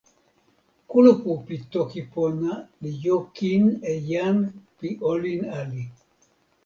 kulupu pi toki pona li jo kin e jan pi olin ali.